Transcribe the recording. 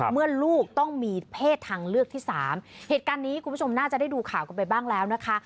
เมื่อลูกต้องมีเพศทางเลือกที่สามเหตุการณ์นี้คุณผู้ชมน่าจะได้ดูข่าวกันไปบ้างแล้วนะคะ